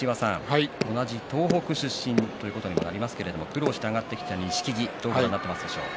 同じ東北出身ということにもなりますけれども苦労して上がってきた錦木どうご覧になっているでしょうか。